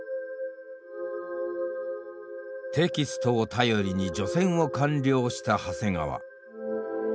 テキストを頼りに除染を完了した長谷川。